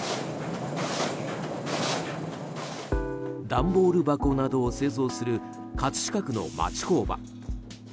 段ボール箱などを製造する葛飾区の町工場。